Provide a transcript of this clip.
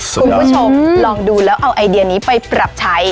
คุณผู้ชมลองดูแล้วเอาไอเดียนี้ไปปรับใช้